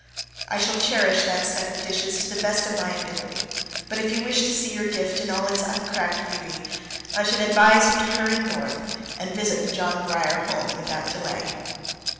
I shall cherish that set of dishes to the best of my ability, but if you wish to see your gift in all its uncracked beauty, I should advise you to hurry North, and visit the John Grier Home without delay.